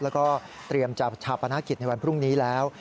แล้วก็เตรียมจะชาปนกิจในวันพรุ่งนี้แล้ว